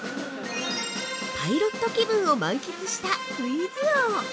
◆パイロット気分を満喫したクイズ王。